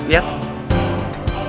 awalnya saya sudah berpikir